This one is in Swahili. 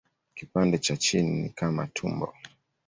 Kipande cha chini ni kama tumbo.